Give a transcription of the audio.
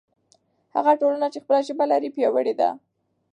هغه ټولنه چې خپله ژبه لري پیاوړې ده.